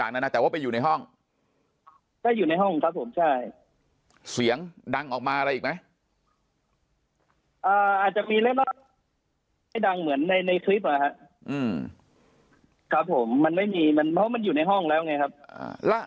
มันไม่มีเพราะมันอยู่ในห้องแล้วไงครับ